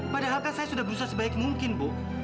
padahalkan saya sudah berusaha sebaik mungkin bu